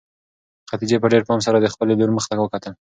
خدیجې په ډېر پام سره د خپلې لور مخ ته وکتل.